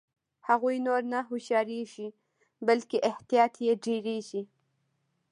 هغوی نور نه هوښیاریږي بلکې احتیاط یې ډیریږي.